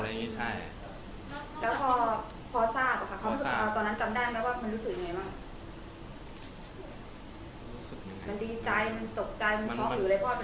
มันดีใจมันตกใจมันช็อคหรืออะไรพอ